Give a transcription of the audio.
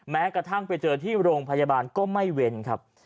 แม้กระทั่งไปเจอที่โรงพยาบาลก็ไม่เว้นครับ